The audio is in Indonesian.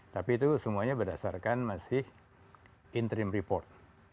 tapi itu semuanya berdasarkan masih interim report